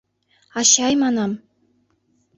Ачай, манам!